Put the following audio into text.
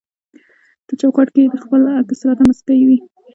ته چوکاټ کي د خپل عکس راته مسکی وي